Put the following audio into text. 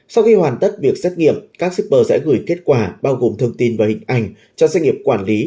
sau khi hoàn tất việc xét nghiệm các shipper sẽ gửi kết quả bao gồm thông tin và hình ảnh cho doanh nghiệp quản lý